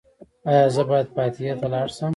ایا زه باید فاتحې ته لاړ شم؟